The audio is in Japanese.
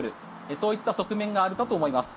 そういった側面があるかと思います。